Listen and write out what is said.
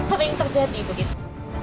apa yang terjadi begitu